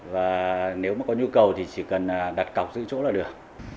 và nếu mà có nhu cầu thì chỉ cần đặt cọc giữ chỗ là được